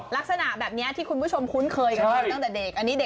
ลักษณะแบบนี้ที่คุณผู้ชมคุ้นเคยกับเธอตั้งแต่เด็ก